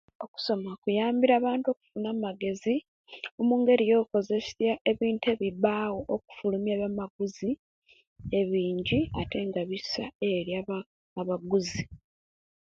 Okusoma kuyambire abantu okufuna amagezi mungeri yokozesia ebintu ebibaawo okufulumia ebyamaguzi ebiingi ate nga bisa eri abantu abaguzi